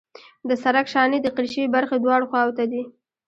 د سرک شانې د قیر شوې برخې دواړو خواو ته دي